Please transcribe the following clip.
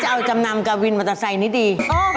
เอาจำนำกับวินมอเตอร์ไซค์นี้ดี